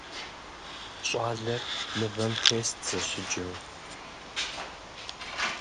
Щӏалэр мывэм тест зэщыджэу.